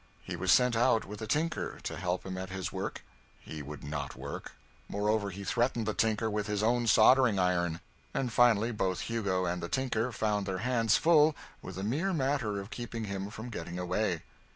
He was sent out with a tinker to help him at his work; he would not work; moreover, he threatened the tinker with his own soldering iron; and finally both Hugo and the tinker found their hands full with the mere matter of keeping his from getting away.